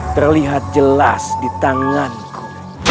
terlihat jelas di tanganku